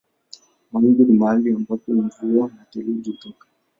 Mawingu ni mahali ambako mvua na theluji hutoka.